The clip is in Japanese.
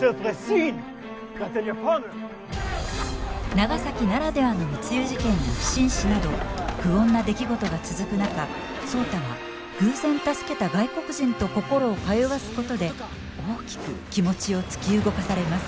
長崎ならではの密輸事件や不審死など不穏な出来事が続く中壮多は偶然助けた外国人と心を通わすことで大きく気持ちを突き動かされます。